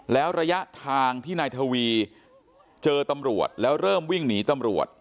แล้วระยะทางที่นายทวีเจอตำรวจแล้วเริ่มวิ่งหนีตำรวจ